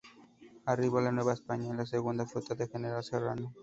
Arribó a la Nueva España "en la segunda flota del General Serrano".